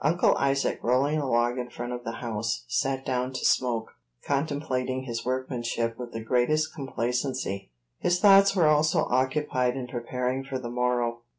Uncle Isaac, rolling a log in front of the house, sat down to smoke, contemplating his workmanship with the greatest complacency. His thoughts were also occupied in preparing for the morrow.